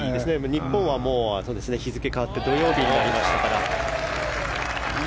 日本はもう日付が変わって土曜日になりましたから。